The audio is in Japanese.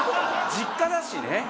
実家だしね。